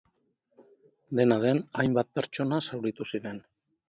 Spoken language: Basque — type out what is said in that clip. Dena den, hainbat pertsona zauritu ziren.